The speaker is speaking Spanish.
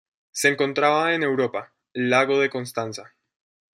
Se encontraba en Europa: lago de Constanza.